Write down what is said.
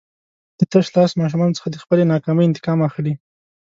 د تشلاس ماشومانو څخه د خپلې ناکامۍ انتقام اخلي.